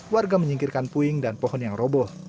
warga menyingkirkan puing dan pohon yang roboh